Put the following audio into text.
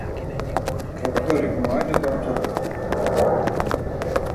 T̆oxt̆orik muayene domtzopxu.